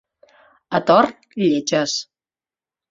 A Tor, lletges.